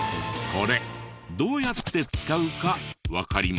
これどうやって使うかわかりますか？